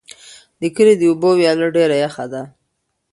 د کلي د اوبو ویاله ډېره یخه ده.